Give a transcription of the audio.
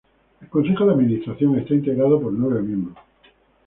El Consejo de Administración está integrado por nueve miembros.